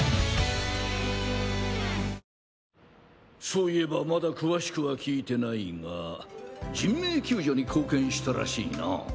そういえばまだ詳しくは聞いてないが人命救助に貢献したらしいな。